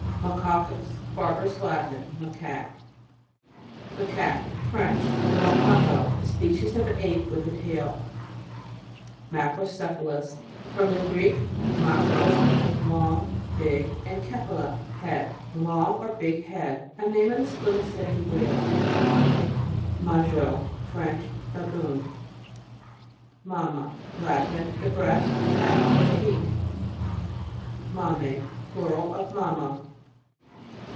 MACACUS. Barbarous Latin. Ma caque. MACAO.UE. French. The Macaco, a species of ape with a tail. MACROCEPHALUS, From the Greek, makros, long, big, and kephtle, head. Long or big head. A name of the spermaceti whale. MAGOT. French. A baboon. MAMMA. Latin. The breast, pap, or teat. MAMMAE. Plural of mamma.